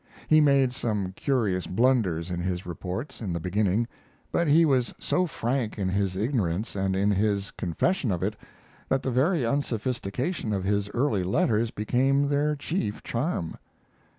He made some curious blunders in his reports, in the beginning; but he was so frank in his ignorance and in his confession of it that the very unsophistication of his early letters became their chief charm.